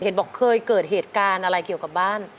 บอกเคยเกิดเหตุการณ์อะไรเกี่ยวกับบ้าน